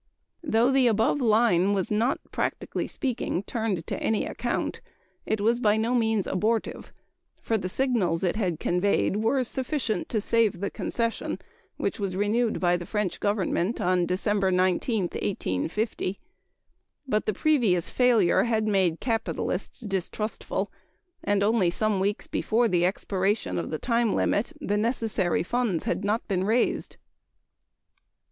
Though the above line was not, practically speaking, turned to any account, it was by no means abortive, for the signals it had conveyed were sufficient to "save the concession," which was renewed by the French Government on December 19, 1850. But the previous failure had made capitalists distrustful; and only some weeks before the expiration of the time limit the necessary funds had not been raised.